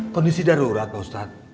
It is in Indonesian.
kondisi darurat pak ustadz